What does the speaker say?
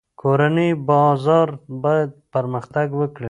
کورني بازار باید پرمختګ وکړي.